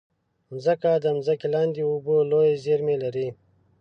مځکه د ځمکې لاندې اوبو لویې زېرمې لري.